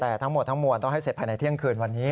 แต่ทั้งหมดทั้งมวลต้องให้เสร็จภายในเที่ยงคืนวันนี้